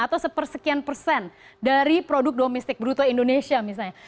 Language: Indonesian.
atau sepersekian persen dari produk domestik bruto indonesia misalnya